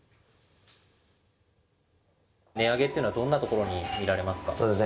値上げっていうのはどんなところに見られますか。